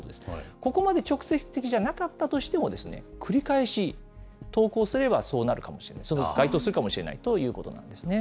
ここまで直接的じゃなかったとしても、繰り返し投稿すればそうなるかもしれない、それに該当するかもしれないということなんですね。